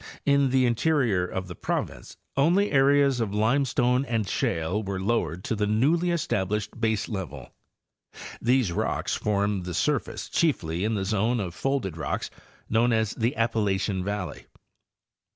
In the interior of the province only areas of limestone and shale were lowered to the newly estab lished baselevel. These rocks formed the surface chiefly in the zone of folded rocks known as the Appalachian valley.